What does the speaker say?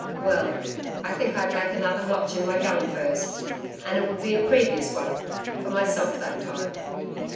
'Well, I think I'd make another notch in my gun first and it would be a previous one for myself that time.'